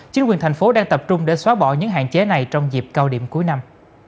chính quyền thành phố đang tập trung để xóa bỏ những hạn chế này trong dịp cao điểm cuối năm